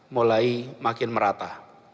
mulai makin merata